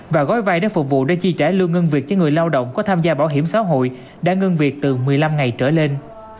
và gói vai được phục vụ để chi trả lương ngân việc cho người lao động có tham gia bảo hiểm xã hội đã ngân việc từ một mươi năm ngày trở lên